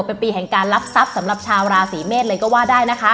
เป็นปีแห่งการรับทรัพย์สำหรับชาวราศีเมษเลยก็ว่าได้นะคะ